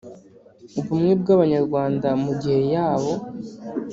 “ubumwe bw’abanyarwanda mu gihe yabo”